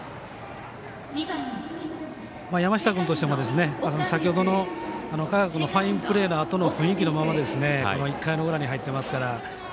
山下君としても先ほどの賀川君のファインプレーのあとの雰囲気のまま１回裏に入っていますから。